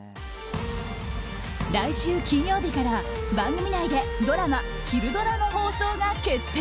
来週金曜日から番組内でドラマ・ひるドラ！の放送が決定。